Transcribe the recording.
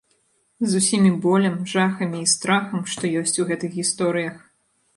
З усімі болем, жахамі і страхам, што ёсць у гэтых гісторыях.